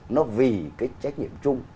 nó vì cái trách nhiệm chung